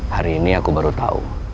hari ini aku baru tahu